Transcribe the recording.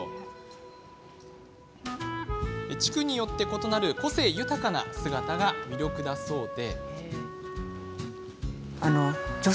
地区によって異なる個性豊かな姿が魅力だそうで。